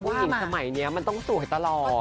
ผู้หญิงสมัยเนี้ยมันต้องสวยตลอด